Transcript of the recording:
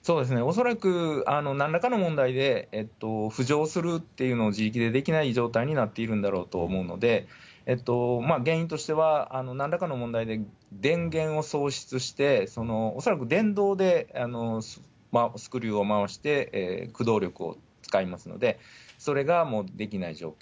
恐らくなんらかの問題で、浮上するというのを自力でできない状態になっているんだろうと思うので、原因としては、なんらかの問題で電源を喪失して、恐らく電動でスクリューを回して、駆動力を使いますので、それができない状況。